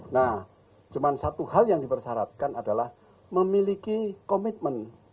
nah cuma satu hal yang dipersyaratkan adalah memiliki komitmen